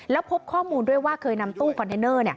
แล้วพบข้อมูลด้วยว่าเคยนำตู้คอนเทนเนอร์